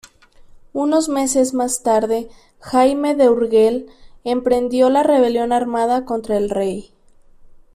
Unos meses más tarde, Jaime de Urgel emprendió la rebelión armada contra el rey.